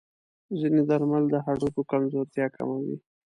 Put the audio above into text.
ځینې درمل د هډوکو کمزورتیا کموي.